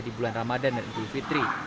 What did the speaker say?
di bulan ramadan dan idul fitri